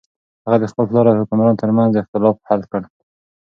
هغه د خپل پلار او حکمران تر منځ اختلاف حل کړ.